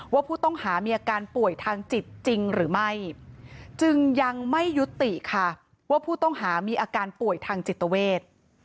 ว่าผู้ต้องหามีอาการป่วยทางจิตจริงหรือไม่จึงยังไม่ยุติค่ะว่าผู้ต้องหามีอาการป่วยทางจิตเวท